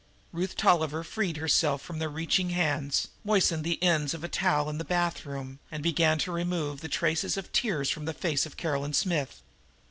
Ruth Tolliver freed herself from the reaching hands, moistened the end of a towel in the bathroom and began to remove the traces of tears from the face of Caroline Smith.